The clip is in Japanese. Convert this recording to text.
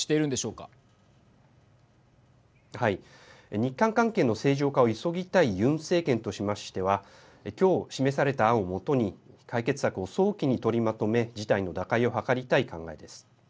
日韓関係の正常化を急ぎたいユン政権としましては今日示された案を基に解決策を早期に取りまとめ事態の打開を図りたい考えです。